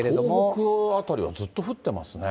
東北辺りはずっと降ってますね。